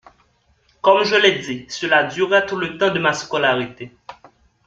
Comme je l’ai dit, cela dura tout le temps de ma scolarité.